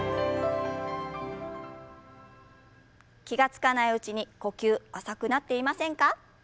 気が付かないうちに呼吸浅くなっていませんか？